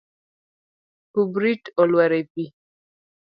Kubrit olwar e pi.